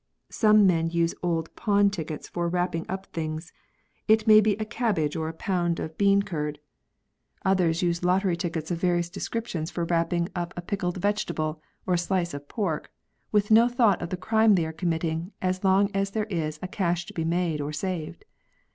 Some men use old pawn tickets for wrapping up things — it may be a cabbage or a pound of bean 94 RESPECT FOR THE WRITTEN CHARACTER. curd. Others use lottery tickets of various descriptions for wrapping up a pickled vegetable or a slice of pork, with no thought of the crime they are committing as long as there is a cash to be made or saved.